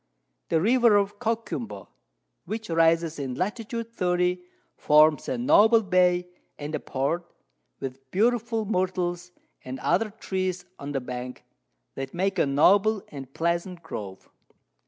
The River of Coquimbo, which rises in Lat. 30, forms a noble Bay and a Port, with beautiful Myrtles, and other Trees on the Bank, that make a noble and a pleasant Grove.